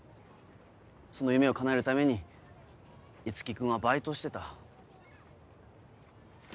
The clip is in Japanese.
その夢をかなえるために樹君はバイトをしてた。